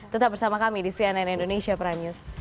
tetap bersama kami di cnn indonesia prime news